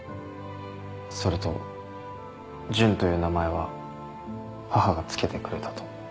それと純という名前は母が付けてくれたと。